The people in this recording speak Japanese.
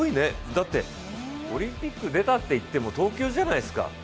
だって、オリンピック出たっていっても東京じゃないですか。